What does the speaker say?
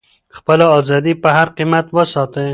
خپله ازادي په هر قیمت وساتئ.